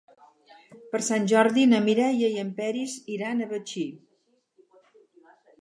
Per Sant Jordi na Mireia i en Peris iran a Betxí.